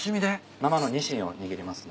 生のニシンを握りますね。